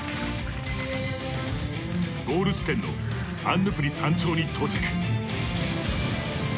ゴール地点のアンヌプリ山頂に到着。